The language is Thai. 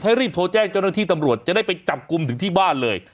รีบโทรแจ้งเจ้าหน้าที่ตำรวจจะได้ไปจับกลุ่มถึงที่บ้านเลย